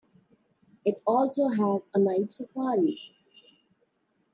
It also has a night safari.